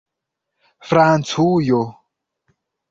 Francujo